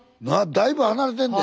だいぶ離れてんで